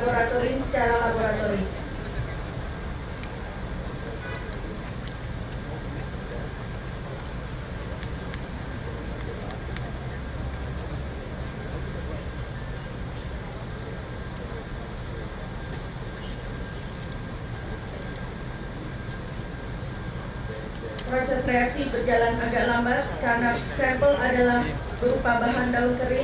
para pejabat pendamping